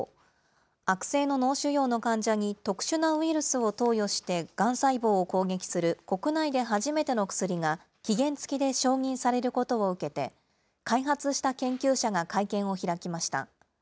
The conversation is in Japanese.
悪性の脳腫瘍の患者に特殊なウイルスを投与してがん細胞を攻撃する国内で初めての薬が、期限付きで承認されることを受けて、開発した研究者が会見を開きました。